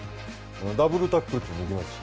ダブルタックルっていうのもできますし。